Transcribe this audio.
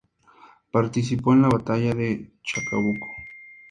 Participó en la batalla de Chacabuco.